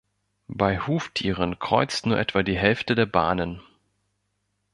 Bei Huftieren kreuzt nur etwa die Hälfte der Bahnen.